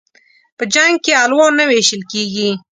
په جنگ کې الوا نه ويشل کېږي.